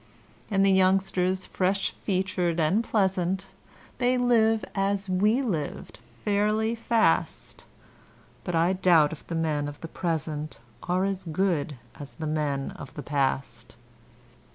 And the youngsters, fresh featured and pleasant, They live as we lived fairly fast; But I doubt if the men of the present Are as good as the men of the past.